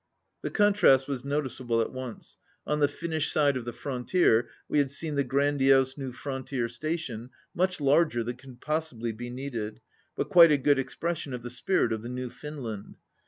The contrast was noticeable at once. On the Finnish side of the frontier we had seen the grandiose new frontier station, much larger than could possibly be needed, but quite a good ex pression of the spirit of the new Finland.